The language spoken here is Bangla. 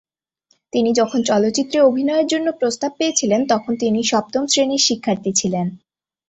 তিনি যখন চলচ্চিত্রে অভিনয়ের জন্য প্রস্তাব পেয়েছিলেন, তখন তিনি সপ্তম শ্রেণির শিক্ষার্থী ছিলেন।